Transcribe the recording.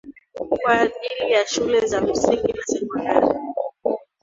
kwa ajili ya shule za msingi na sekondari